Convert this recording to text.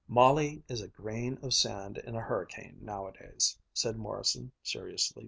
"Molly is a grain of sand in a hurricane, nowadays," said Morrison seriously.